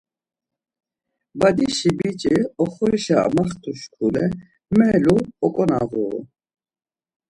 Badişi biç̌i oxorişa amaxtu şkule melu oǩonağuru.